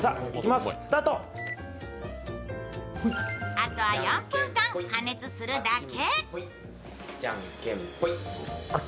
あとは４分間加熱するだけ。